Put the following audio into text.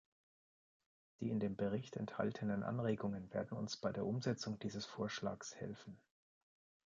Die in dem Bericht enthaltenen Anregungen werden uns bei der Umsetzung dieses Vorschlags helfen.